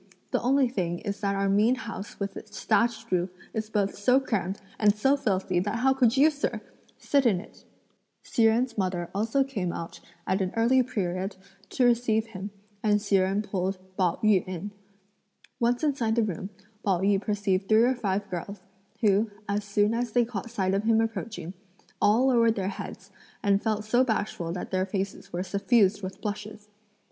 The only thing is that our mean house with its thatched roof is both so crammed and so filthy that how could you, sir, sit in it!" Hsi Jen's mother also came out at an early period to receive him, and Hsi Jen pulled Pao yü in. Once inside the room, Pao yü perceived three or five girls, who, as soon as they caught sight of him approaching, all lowered their heads, and felt so bashful that their faces were suffused with blushes.